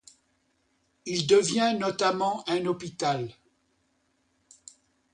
Il devient notamment un hôpital.